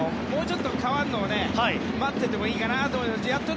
もうちょっと変わるのを待っててもいいかなと思うけど。